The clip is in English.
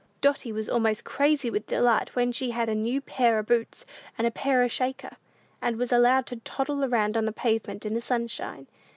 Dotty was almost crazy with delight when she had a "new pair o' boots, and a pair o' shaker," and was allowed to toddle about on the pavement in the sunshine.